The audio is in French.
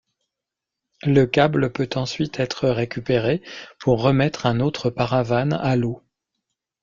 Le câble peut ensuite être récupéré pour remettre un autre paravane à l'eau.